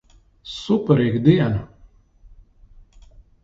Superīga diena!